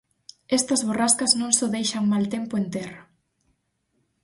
Estas borrascas non só deixan mal tempo en terra.